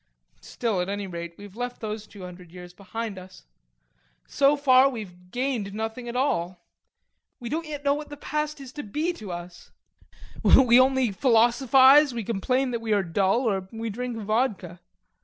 Still, at any rate, we've left those two hundred years behind us. So far we've gained nothing at all we don't yet know what the past is to be to us we only philosophize, we complain that we are dull, or we drink vodka.